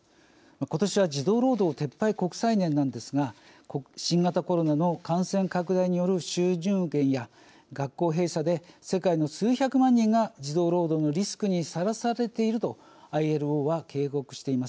今年は児童労働撤廃国際年なんですが新型コロナの感染拡大による収入減や学校閉鎖で世界の数百万人が児童労働のリスクにさらされているとＩＬＯは警告しています。